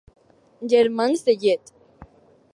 Germans de llet.